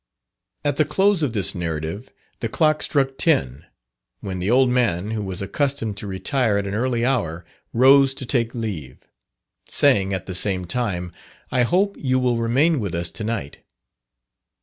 At the close of this narrative, the clock struck ten, when the old man, who was accustomed to retire at an early hour, rose to take leave, saying at the same time, "I hope you will remain with us to night."